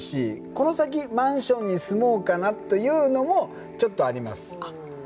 この先マンションに住もうかなというのもちょっとあります。